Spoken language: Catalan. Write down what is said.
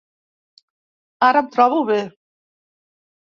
Ara em trobo bé.